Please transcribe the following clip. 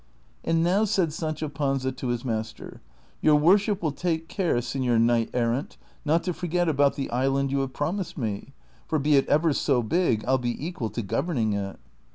And now said Sancho Panza to his master, " Your M^orshi]) will take care, Seiior Knight errant, not to forget about the island you have promised me, for be it ever so big I '11 be equ^al to governing it."